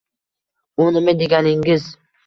U nima deganingiz